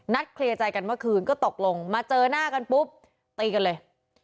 เคลียร์ใจกันเมื่อคืนก็ตกลงมาเจอหน้ากันปุ๊บตีกันเลย